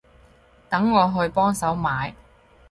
等我去幫手買